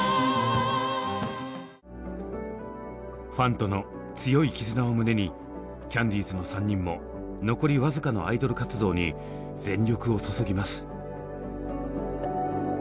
ファンとの強い絆を胸にキャンディーズの３人も残りわずかのアイドル活動に全力を注ぎます。